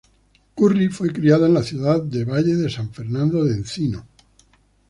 Currie fue criada en la ciudad de Valle de San Fernando de Encino.